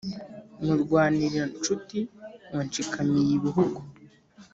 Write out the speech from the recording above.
murwanira-nshuti wa nshikamiy-ibihugu